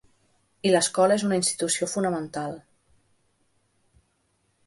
I l'escola és una institució fonamental.